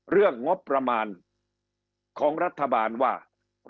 เรามีประเทศที่เป็นหนี้เขาขนาดนี้